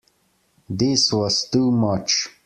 This was too much.